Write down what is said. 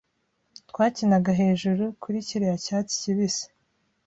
Twakinaga hejuru kuri kiriya cyatsi kibisi.